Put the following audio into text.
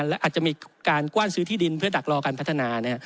และอาจจะมีการกว้านซื้อที่ดินเพื่อดักรอการพัฒนา